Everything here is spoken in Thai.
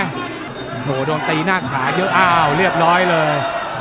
โอ้โหโดนตีหน้าขาเยอะอ้าวเรียบร้อยเลย